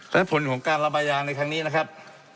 และผลของการระบายยางในครั้งนี้นะครับ